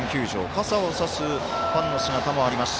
傘を差すファンの姿もあります。